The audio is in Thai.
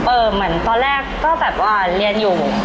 เหมือนตอนแรกก็แบบว่าเรียนอยู่